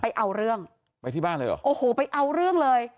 เอาเรื่องไปที่บ้านเลยเหรอโอ้โหไปเอาเรื่องเลย